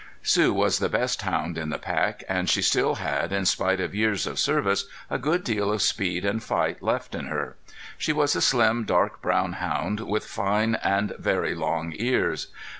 Sue was the best hound in the pack, as she still had, in spite of years of service, a good deal of speed and fight left in her. She was a slim, dark brown hound with fine and very long ears.